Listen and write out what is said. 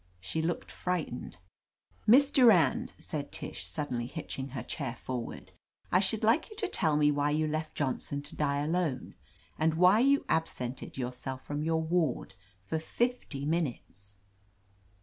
She looked frightened. "Miss Durand," said Tish, suddenly hitch ing her chair forward, "I should like you to tell me why you left Johnson to die alone end why you absented yourself from your ward for fifty minutes."